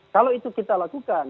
kalau itu kita lakukan